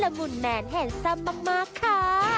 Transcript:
ละมุนแมนแฮนซัมมากค่ะ